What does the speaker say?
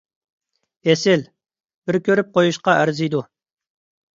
ئېسىل! بىر كۆرۈپ قويۇشقا ئەرزىيدۇ.